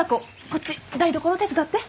こっち台所手伝って。